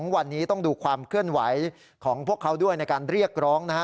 วันนี้ต้องดูความเคลื่อนไหวของพวกเขาด้วยในการเรียกร้องนะฮะ